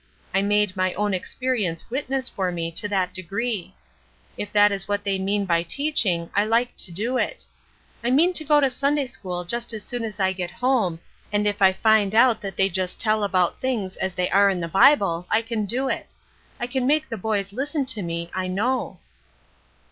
I made my own experience 'witness' for me to that degree. If that is what they mean by teaching I like to do it. I mean to go to Sunday school just as soon as I get home, and if I find out that they just tell about things as they are in the Bible I can do it. I can make the boys listen to me, I know."